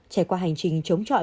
trải qua hành trình chống chống